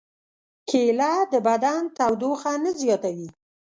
کېله د بدن تودوخه نه زیاتوي.